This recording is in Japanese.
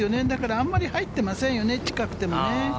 あまり入ってませんよね、近くてもね。